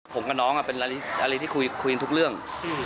ผมกับน้องเป็นราลีที่คุยทุกเรื่อง